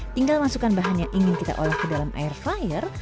tinggal masukkan bahan yang ingin kita olah ke dalam air flyer